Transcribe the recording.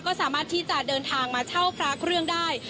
ก็สามารถที่จะเดินทางมาเช่าพระเครื่องได้